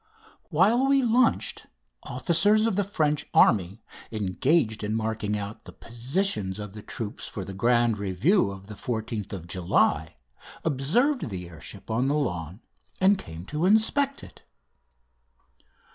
While we lunched, officers of the French army engaged in marking out the positions of the troops for the grand review of the 14th of July observed the air ship on the lawn and came to inspect it.